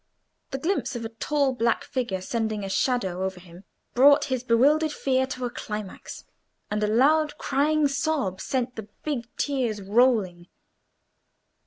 The glimpse of a tall black figure sending a shadow over him brought his bewildered fear to a climax, and a loud crying sob sent the big tears rolling.